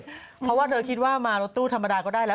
เพราะว่าเธอคิดว่ามารถตู้ธรรมดาก็ได้แล้ว